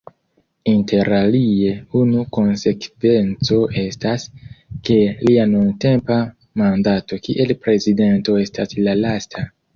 Interalie unu konsekvenco estas, ke lia nuntempa mandato kiel prezidento estas la lasta.